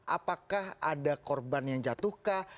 apakah ada korban yang jatuhkah